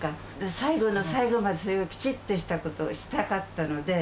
最後の最後まで、それをきちっとしたことをしたかったので。